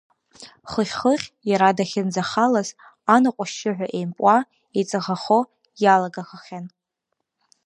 Хыхь-хыхь, иара дахьынӡахалаз, анаҟә ашьшьыҳәа еимпуа, иҵаӷахо иалагахахьан.